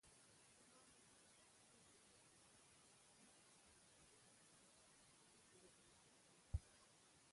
امام ماوردي رحمه الله د اسلامي دولت او حاکم لس عمده وظيفي ښوولي دي